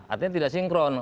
artinya tidak sinkron